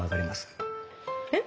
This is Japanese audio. えっ？